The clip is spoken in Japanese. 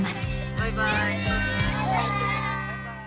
バイバイ。